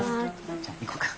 じゃ行こうか。